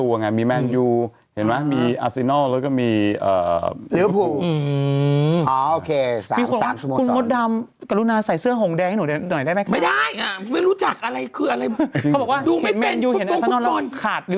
เขาบอกว่าเห็นแมวอัศนองค่ะหรือว่าคุณครุปบรรนิย์คือเดี๋ยวเจ็บใจ